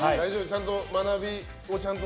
ちゃんと学びをちゃんと。